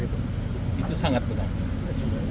itu sangat benar